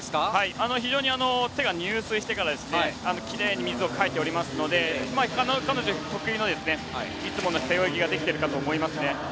非常に手が入水してからきれいに水をかいていますので彼女得意のいつもの背泳ぎができていると思います。